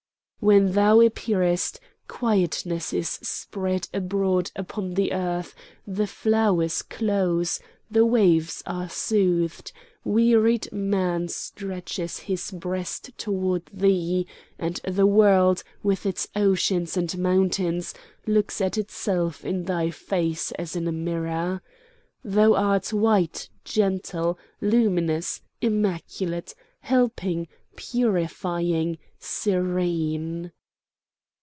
"When thou appearest, quietness is spread abroad upon the earth; the flowers close, the waves are soothed, wearied man stretches his breast toward thee, and the world with its oceans and mountains looks at itself in thy face as in a mirror. Thou art white, gentle, luminous, immaculate, helping, purifying, serene!"